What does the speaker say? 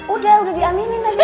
udah udah diaminin tadi